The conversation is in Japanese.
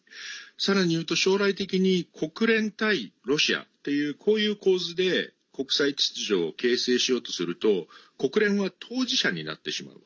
さらに言うと将来的に国連対ロシアというこういう構図で国際秩序を形成しようとすると国連は当事者になってしまう。